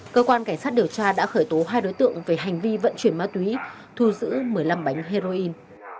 cơ quan cảnh sát điều tra đã khởi tố hai đối tượng về hành vi vận chuyển ma túy thu giữ một mươi năm bánh heroin